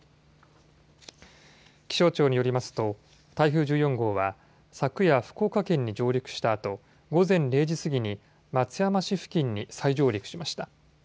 気象庁によりますと台風１４号は昨夜福岡県に上陸したあと午前０時すぎに松山市付近に再上陸しました。